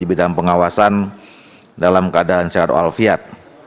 di bidang pengawasan dalam keadaan sehat oalfiat